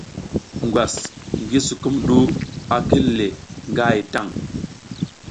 Ngwas ngi sukumɗu a kil le nga hay tan.